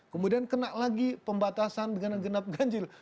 kemudian kena lagi pembatasan dengan genap ganjil